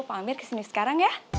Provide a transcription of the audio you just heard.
pamir kesini sekarang ya